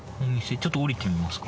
ちょっと降りてみますか。